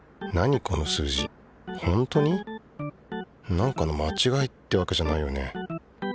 なんかのまちがいってわけじゃないよね？